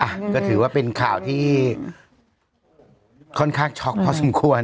อ่ะก็ถือว่าเป็นข่าวที่ค่อนข้างช็อกพอสมควร